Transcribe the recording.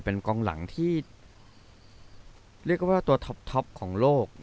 เป็นกองหลังที่เรียกว่าตัวท็อปของโลก